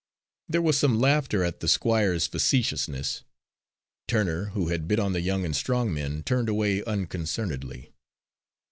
There was some laughter at the Squire's facetiousness. Turner, who had bid on the young and strong men, turned away unconcernedly.